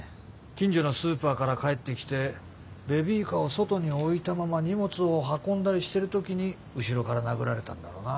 近所のスーパーから帰ってきてベビーカーを外に置いたまま荷物を運んだりしてる時に後ろから殴られたんだろうな。